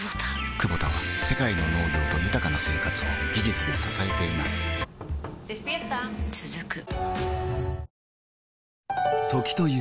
クボタは世界の農業と豊かな生活を技術で支えています起きて。